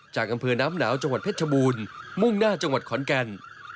จากอำเภอน้ำหนาวจังหวัดเพชรชบูรณ์มุ่งหน้าจังหวัดขอนแก่น